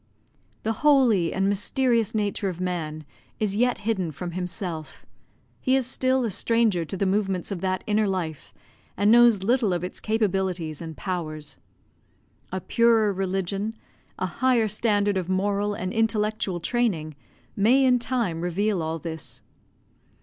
The holy and mysterious nature of man is yet hidden from himself; he is still a stranger to the movements of that inner life, and knows little of its capabilities and powers. A purer religion, a higher standard of moral and intellectual training may in time reveal all this.